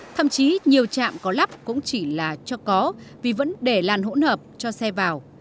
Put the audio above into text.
thậm chí nhiều trạm có lắp cũng chỉ là cho có vì vẫn để làn hỗn hợp cho xe vào